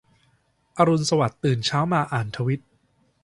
อรุณสวัสดิ์ ตื่นเช้ามาอ่านทวิต